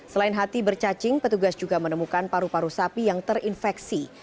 selain hati bercacing petugas juga menemukan paru paru sapi yang terinfeksi